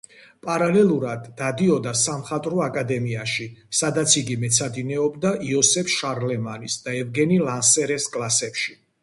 პარალელურად დადიოდა სამხატვრო აკადემიაში, სადაც იგი მეცადინეობდა იოსებ შარლემანის და ევგენი ლანსერეს კლასებში.